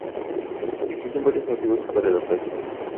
Existen varios motivos para el ataque.